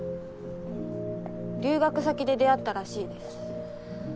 留学先で出会ったらしいです。